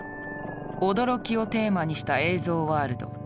「驚き」をテーマにした映像ワールド。